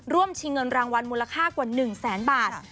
ร่วมชิงเงินรางวัลมูลค่ากว่าหนึ่งแสนบาทใช่